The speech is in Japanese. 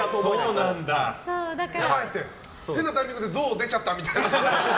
やばい、変なタイミングでゾウ出ちゃったみたいな？